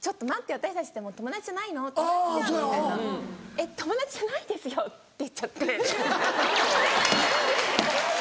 「えっ友達じゃないですよ」って言っちゃって。